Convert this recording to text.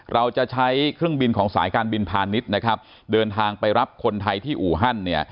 เราจะใช้เครื่องบินของสายการบินพาณิชย์นะครับเดินทางไปรับคนไทยที่อู่ฮั่นเนี่ย